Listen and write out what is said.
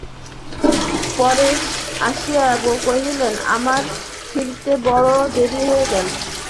পরেশ আসিয়া কহিলেন, আমার ফিরতে বড়ো দেরি হয়ে গেল।